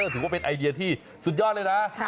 ถือว่าเป็นไอเดียที่สุดยอดเลยนะ